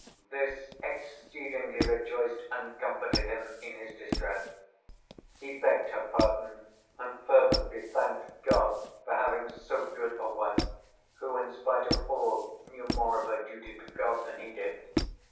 This exceedingly rejoiced and comforted him in his distress. He begged her pardon, and fervently thanked God for having so good a wife, who, in spite of all, knew more of her duty to God than he did.